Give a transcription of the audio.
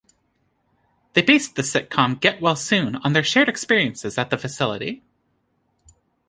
They based the sitcom "Get Well Soon" on their shared experiences at the facility.